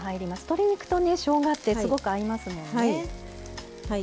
鶏肉と、しょうがってすごく合いますもんね。